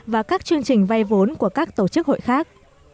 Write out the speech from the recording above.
và các chương trình vay vốn của các tổ chức hội khác